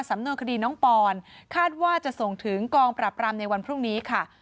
สำนวนคดีน้องปอนคาดว่าจะส่งถึงกองปราบรามในวันพรุ่งนี้ค่ะ